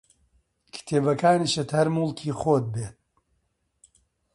کتێبەکانیشت هەر موڵکی خۆت بێ